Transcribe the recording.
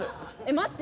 待って！